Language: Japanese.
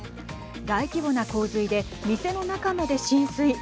大規模な洪水で店の中まで浸水。